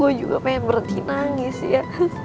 gue juga pengen berhenti nangis ya